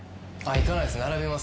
行かないです。